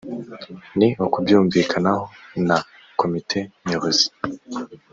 ni ukubyumvikanaho na komite nyobozi